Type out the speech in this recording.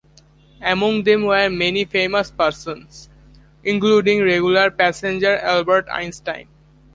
Among them were many famous persons, including regular passenger Albert Einstein.